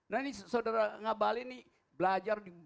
nah ini saudara ngabalin nih belajar di berbicara